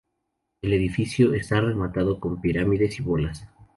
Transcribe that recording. El edificio está rematado con pirámides y bolas.